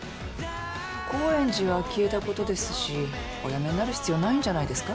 高円寺は消えたことですしお辞めになる必要ないんじゃないですか？